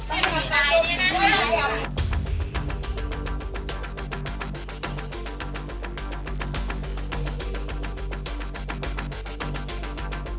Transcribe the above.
อันดับสุดท้ายก็คืออันดับสุดท้าย